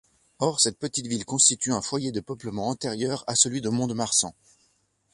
Or cette petite ville constitue un foyer de peuplement antérieur à celui de Mont-de-Marsan.